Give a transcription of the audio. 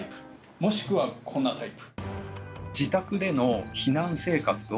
もしくはこんなタイプ。